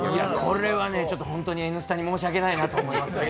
これは「Ｎスタ」に申し訳ないなと思います。